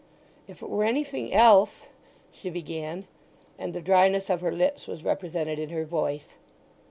"If it were anything else," she began, and the dryness of her lips was represented in her voice.